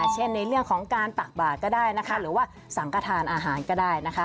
เช่นในเรื่องของการตักบาดก็ได้นะคะหรือว่าสังกระทานอาหารก็ได้นะคะ